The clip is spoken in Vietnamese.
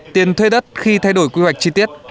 tiền thuê đất khi thay đổi quy hoạch chi tiết